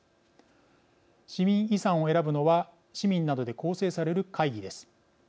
市民遺産を選ぶのは市民などで構成される会議です。